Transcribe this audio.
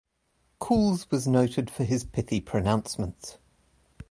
Cools was noted for his pithy pronouncements.